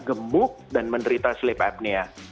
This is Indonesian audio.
gemuk dan menderita sleep apnea